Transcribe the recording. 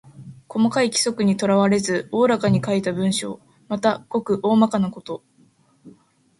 細かい規則にとらわれず大らかに書いた文章。また、ごく大まかなこと。